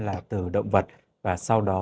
là từ động vật và sau đó